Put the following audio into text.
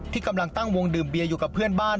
กำลังตั้งวงดื่มเบียอยู่กับเพื่อนบ้าน